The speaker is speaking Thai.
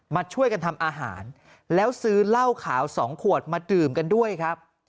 มาช่วยกันทำอาหารแล้วซื้อเหล้าขาวสองขวดมาดื่มกันด้วยครับ